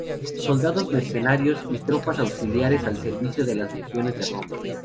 Soldados mercenarios y tropas auxiliares al servicio de las legiones de Roma.